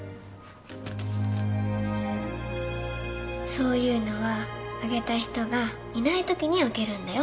そういうのはあげた人がいないときに開けるんだよ。